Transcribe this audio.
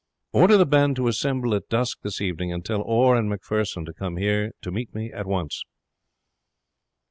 Order the band to assemble at dusk this evening, and tell Orr and Macpherson to come here to me at once."